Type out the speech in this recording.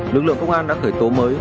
lực lượng công an đã khởi tố mới